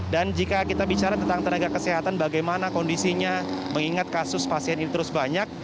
jika kita bicara tentang tenaga kesehatan bagaimana kondisinya mengingat kasus pasien ini terus banyak